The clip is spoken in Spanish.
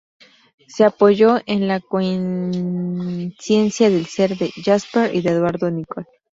Se apoyó en la conciencia del ser de Jaspers y de Eduardo Nicol.